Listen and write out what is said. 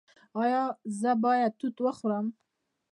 ایا زه باید توت وخورم؟